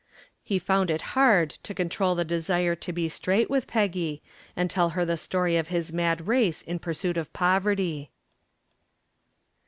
He found it hard to control the desire to be straight with Peggy and tell her the story of his mad race in pursuit of poverty.